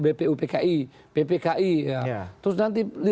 bpupki ppki ya terus nanti